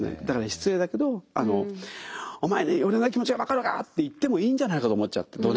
だから失礼だけど「お前に俺の気持ちが分かるか」って言ってもいいんじゃないかと思っちゃって。